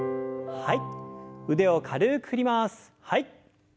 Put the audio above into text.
はい。